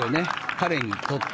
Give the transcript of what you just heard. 彼にとって。